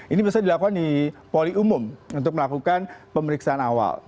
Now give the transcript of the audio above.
ini bisa dilakukan di poli umum untuk melakukan pemeriksaan awal